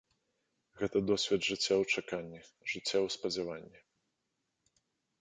Гэта досвед жыцця ў чаканні, жыцця ў спадзяванні.